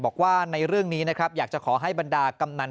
บอกว่าในเรื่องนี้นะครับอยากจะขอให้บรรดากำนัน